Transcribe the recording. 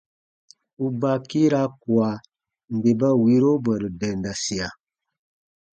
U baa kiira kua nde ba wiiro bwɛ̃ru dendasia.